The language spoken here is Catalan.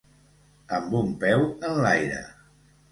Amb un peu enlaire.